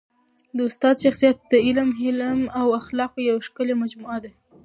د استاد شخصیت د علم، حلم او اخلاقو یوه ښکلي مجموعه ده.